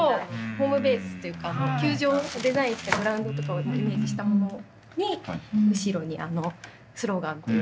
ホームベースっていうか球場をデザインしてグラウンドとかをイメージしたものに後ろにスローガンというか。